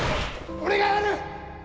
俺がやる！